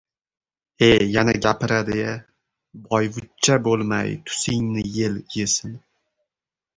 — E, yana, gapiradi-ya! Boyvuchcha bo‘lmay tusingni yel yesin!